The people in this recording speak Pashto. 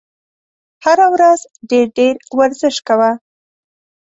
هره ورځ ډېر ډېر ورزش کوه !